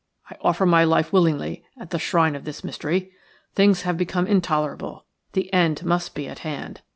I offer my life willingly at the shrine of this mystery. Things have become intolerable; the end must be at hand.